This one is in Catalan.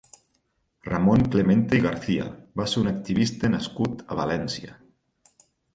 Ramon Clemente i Garcia va ser un activista nascut a València.